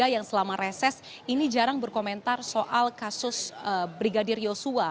yang selama reses ini jarang berkomentar soal kasus brigadir yosua